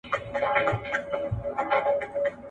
ایا دا هلک رښتیا هم د انا له رډو سترگو نه ډارېږي؟